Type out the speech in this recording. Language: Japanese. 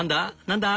何だ？」